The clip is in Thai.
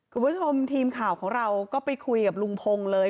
คุณผู้ชมทีมข่าวของเราก็ไปคุยกับลุงพงศ์เลย